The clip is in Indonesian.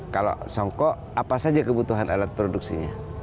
kalau songkok apa saja kebutuhan alat produksinya